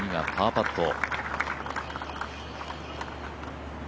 次がパーパット。